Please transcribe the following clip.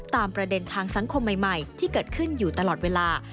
ตามประเด็นทางสังคมใหม่ที่เกิดขึ้นอยู่ตลอดเวลา